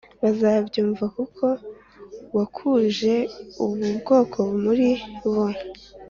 bazabyumva kuko wakuje ubu bwoko muri bo